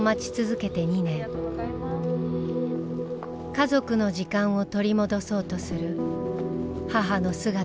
家族の時間を取り戻そうとする母の姿を見つめました。